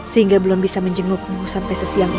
sehingga belum bisa menjemukmu sampai sesiam itu